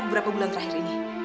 berapa bulan terakhir ini